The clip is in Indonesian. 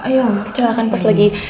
iya kecelakaan pas lagi